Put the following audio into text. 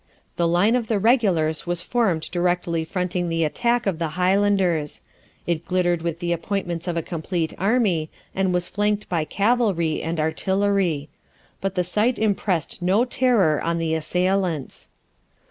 The line of the regulars was formed directly fronting the attack of the Highlanders; it glittered with the appointments of a complete army, and was flanked by cavalry and artillery. But the sight impressed no terror on the assailants.